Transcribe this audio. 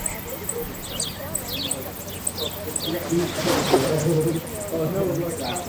They lie within an open landscape, consisting of rectilinear fields and few boundaries.